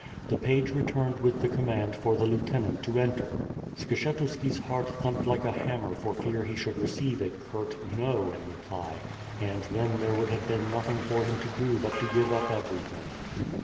The page re turned with the command for the lieutenant to enter. Skshetuski's heart thumped like a hammer for fear he should receive a curt "no," in reply; and then there would have been nothing for him to do but to give up everything.